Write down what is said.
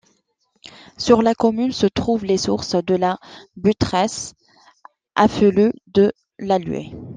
Sur la commune, se trouvent les sources de la Butteresse, affluent de l'Hallue.